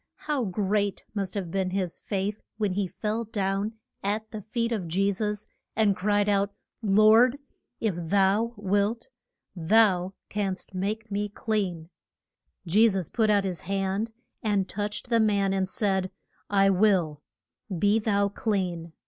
how great must have been his faith when he fell down at the feet of Je sus and cried out, Lord, if thou wilt thou canst make me clean. [Illustration: CUR ING THE MAN LAME WITH PAL SY.] Je sus put out his hand and touched the man, and said, I will: be thou clean.